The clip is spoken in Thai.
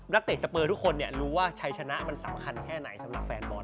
เตะสเปอร์ทุกคนรู้ว่าชัยชนะมันสำคัญแค่ไหนสำหรับแฟนบอล